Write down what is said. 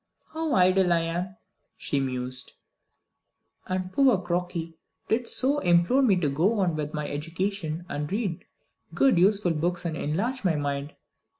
"How idle I am!" she mused; "and poor Crokey did so implore me to go on with my education, and read good useful books and enlarge my mind.